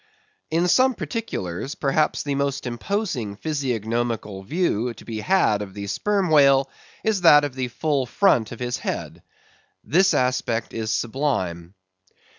In some particulars, perhaps the most imposing physiognomical view to be had of the Sperm Whale, is that of the full front of his head. This aspect is sublime.